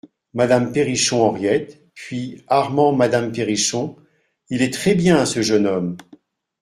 Madame Perrichon, Henriette ; puis ARMAND MADAME PERRICHON Il est très-bien, ce jeune homme !